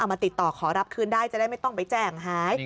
มาติดต่อขอรับคืนได้จะได้ไม่ต้องไปแจ้งหาย